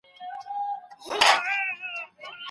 د زده کړې لپاره د کورنیو ملاتړ تل موجود نه و.